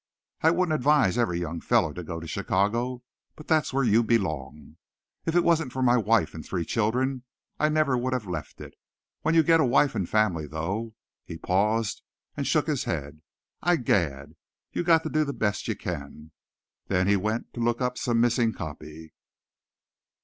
I wouldn't advise every young fellow to go to Chicago, but that's where you belong. If it wasn't for my wife and three children I never would have left it. When you get a wife and family though " he paused and shook his head. "I gad! You got to do the best you can." Then he went to look up some missing copy.